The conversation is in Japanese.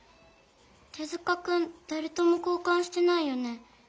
手塚くんだれとも交かんしてないよね。